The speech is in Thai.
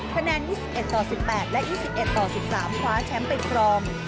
คะแนน๒๑ต่อ๑๘และ๒๑ต่อ๑๓คว้าแชมป์ไปครอง